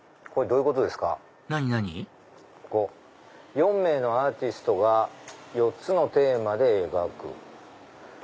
「４名のアーティストが４つのテーマで描く」。